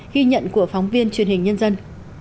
ghi nhận của phóng viên truyền hình nhân dân